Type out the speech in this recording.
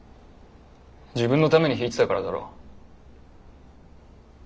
自分のために弾いてたからだろ。